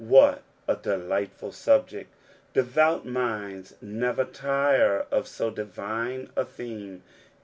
What a delight ful subject ! Devout minds never tire of so divine a theme.